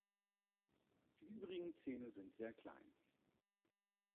Die übrigen Zähne sind sehr klein.